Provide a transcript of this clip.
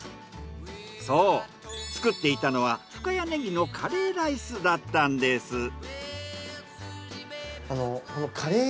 そう作っていたのは深谷ねぎのカレーライスだったんです。